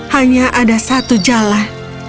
hanya ada satu jalan